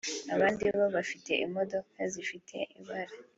Abandi bo bafite imodoka zifite ibara